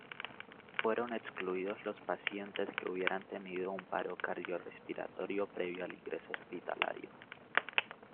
Fueron excluidos los pacientes que hubieran tenido un paro cardiorrespiratorio previo al ingreso hospitalario.